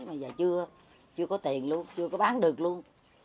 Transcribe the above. mà giờ chưa chưa có tiền luôn chưa có bán được luôn